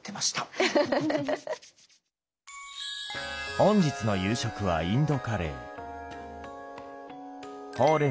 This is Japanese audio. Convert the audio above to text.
本日の夕食はインドカレー。